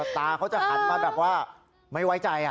ตาเขาจะหันมาแบบว่าไม่ไว้ใจ